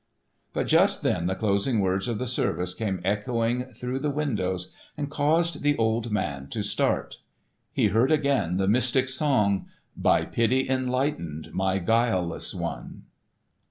But just then the closing words of the service came echoing through the windows, and caused the old man to start. He had heard again the mystic song, "By pity enlightened My guileless one!"